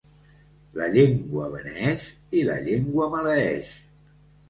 La llengua beneeix i la llengua maleeix.